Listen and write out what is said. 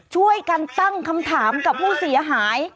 ช่วยกันตั้งคำถามกับผู้เสียหาย